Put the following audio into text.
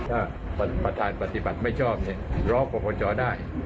ถ้าประธานปฏิบัติไม่ชอบเนี่ยร้องกรกตได้